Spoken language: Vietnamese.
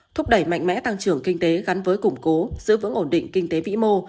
thúc đẩy mạnh mẽ tăng trưởng kinh tế gắn với củng cố giữ vững ổn định kinh tế vĩ mô